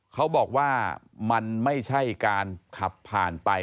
เขาบอกว่ามันไม่ใช่การขับผ่านไป